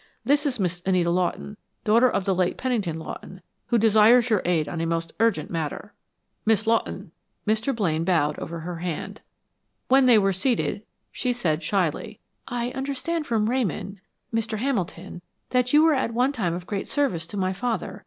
This is Miss Anita Lawton, daughter of the late Pennington Lawton, who desires your aid on a most urgent matter." "Miss Lawton." Mr. Elaine bowed over her hand. When they were seated she said, shyly: "I understand from Ramon Mr. Hamilton that you were at one time of great service to my father.